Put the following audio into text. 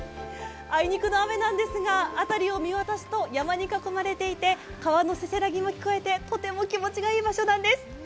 あいにくの雨なんですが、辺りを見渡すと山に囲まれていて、川のせせらぎも聞こえていてとても気持ちのいい場所なんです。